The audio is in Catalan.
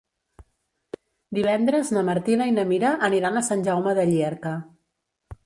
Divendres na Martina i na Mira aniran a Sant Jaume de Llierca.